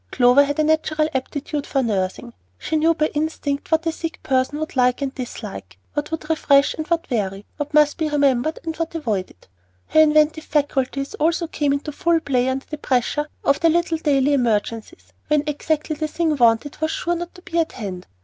Clover had a natural aptitude for nursing. She knew by instinct what a sick person would like and dislike, what would refresh and what weary, what must be remembered and what avoided. Her inventive faculties also came into full play under the pressure of the little daily emergencies, when exactly the thing wanted was sure not to be at hand.